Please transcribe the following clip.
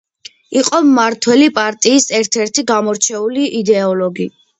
იყო მმართველი პარტიის ერთ-ერთი გამორჩეული იდეოლოგი.